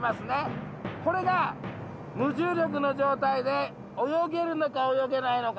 これが無重力の状態で泳げるのか泳げないのか。